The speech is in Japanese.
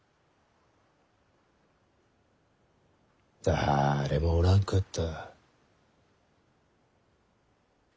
だれもおらんかった。